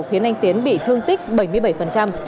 khiến anh tiến bị thương tích bảy mươi bảy